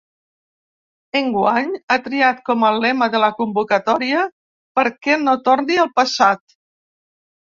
Enguany ha triat com a lema de la convocatòria Perquè no torni el passat.